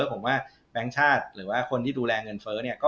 ผมว่าแบงค์ชาติหรือว่าคนที่ดูแลเงินเฟ้อเนี่ย